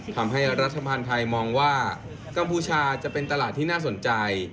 ทำให้รัฐบาลไทยมองว่ากัมพูชาจะเป็นตลาดที่น่าสนใจ